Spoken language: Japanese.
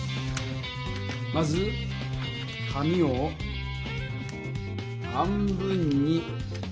まず紙を半分におる。